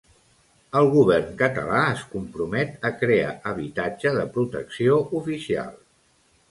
El govern català es compromet a crear habitatge de protecció oficial.